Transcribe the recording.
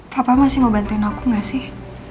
papa masih mau bantuin aku gak sih